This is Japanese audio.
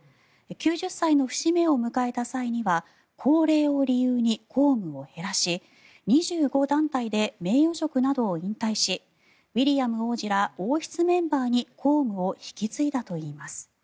９０歳の節目を迎えた際には高齢を理由に公務を減らし、２５団体で名誉職などを引退しウィリアム王子ら王室メンバーに公務を引き継いだといいます。